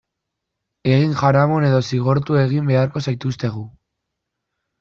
Egin jaramon edo zigortu egin beharko zaituztegu.